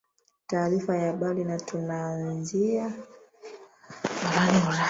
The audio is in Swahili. taarifa ya habari na tunaanzia barani ulaya